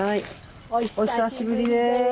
お久しぶりです。